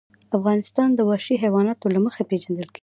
افغانستان د وحشي حیواناتو له مخې پېژندل کېږي.